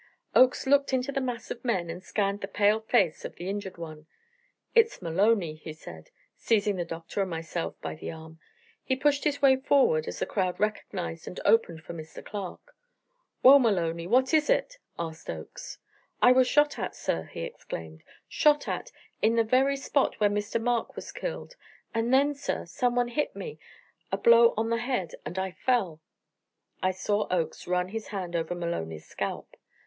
Oakes looked into the mass of men and scanned the pale face of the injured one. "It's Maloney," he said, seizing the doctor and myself by the arm. He pushed his way forward as the crowd recognized and opened for Mr. Clark. "Well, Maloney, what is it?" asked Oakes. "I was shot at, sir," he exclaimed, "shot at, in the very spot where Mr. Mark was killed; and then, sir, someone hit me a blow on the head, and I fell." I saw Oakes run his hand over Maloney's scalp.